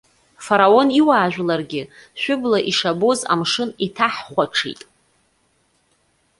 Фараон иуаажәларгьы, шәыбла ишабоз амшын иҭаҳхәаҽит.